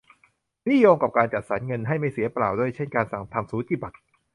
นี่โยงกับการจัดสรรเงินให้ไม่เสียเปล่าด้วย เช่นการสั่งทำสูจิบัตร